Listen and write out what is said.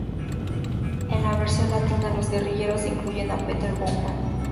En la versión latina, los guerrilleros incluyen a Peter Bowman.